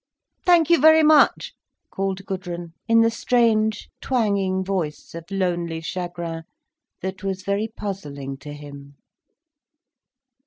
"Thank you very much," called Gudrun, in the strange, twanging voice of lonely chagrin that was very puzzling to him.